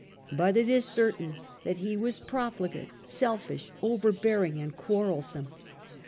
But it is certain that he was profligate, selfish, overbearing and quarrelsome.